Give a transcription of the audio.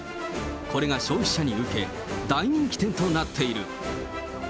これが消費者に受け、大人気店となっている。